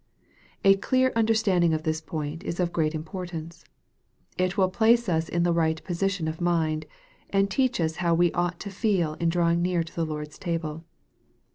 A clear understanding of this point is of great im portance. It will place us in the right position of mind, and teach us how we ought to feel in drawing near to the Lord's table.